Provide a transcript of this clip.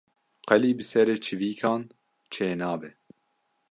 Qelî bi serê çîvikan çê nabe